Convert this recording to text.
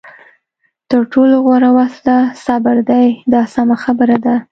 تر ټولو غوره وسله صبر دی دا سمه خبره ده.